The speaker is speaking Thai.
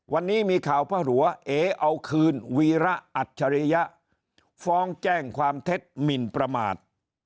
วันนี้มีข่าวพระหัวเอ๋เอาคืนวีระอัจฉริยะฟ้องแจ้งความเท็จหมินประมาท